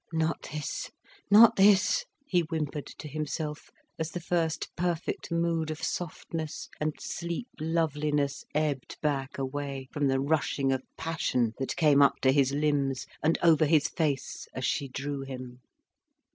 "Not this, not this," he whimpered to himself, as the first perfect mood of softness and sleep loveliness ebbed back away from the rushing of passion that came up to his limbs and over his face as she drew him.